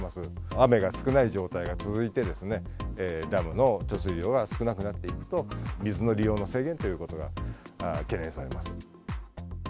雨が少ない状態が続いて、ダムの貯水量が少なくなっていくと、水の利用の制限ということが懸念されます。